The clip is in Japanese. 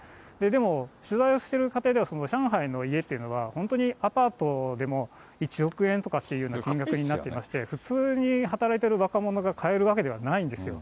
でも、取材をしている過程では、上海の家っていうのは本当にアパートでも１億円とかっていうような金額になっていまして、普通に働いてる若者が買えるわけではないんですよ。